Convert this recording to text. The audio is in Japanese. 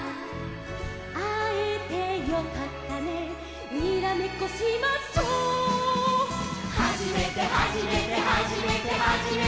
「あえてよかったねにらめっこしましょ」「はじめてはじめてはじめてはじめて」